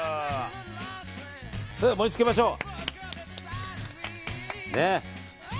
それでは盛り付けましょう。